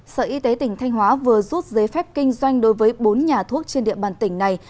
sở y tế tỉnh thanh hóa vừa rút giấy phép kinh doanh đối với bốn nhà thuốc trên địa bàn tỉnh này